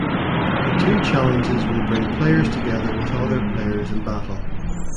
The two challenges will bring players together with other players in battle.